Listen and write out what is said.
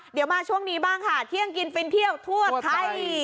เดี๋ยวมาช่วงนี้บ้างค่ะเที่ยงกินฟินเที่ยวทั่วไทย